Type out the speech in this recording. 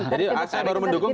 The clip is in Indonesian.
jadi saya baru mendukung